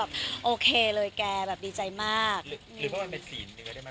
โอเคเลยแกแบบดีใจมากหรือว่ามันเป็นศีลเยอะได้ไหม